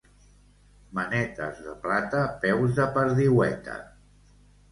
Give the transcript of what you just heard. Manetes de plata, peus de perdiueta.